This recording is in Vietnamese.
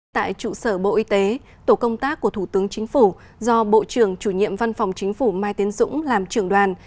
tại trụ sở bộ y tế tổ công tác của thủ tướng chính phủ do bộ trưởng chủ nhiệm văn phòng chính phủ mai tiến dũng làm trưởng đoàn